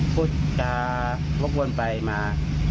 คุณการรบวนไปมา